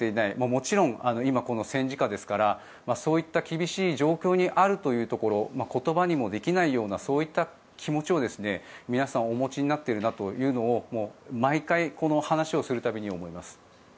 もちろん今、戦時下ですからそういった厳しい状況にあるというところ言葉にもできないようなそういった気持ちを皆さんお持ちになっているなというのを毎回この話をする度に思います。